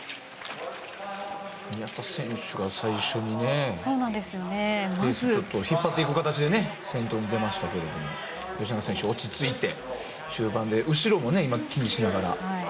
宮田選手が最初にレースを引っ張っていく形で先頭に出ましたが吉永選手、落ち着いて中盤で後ろも気にしながら。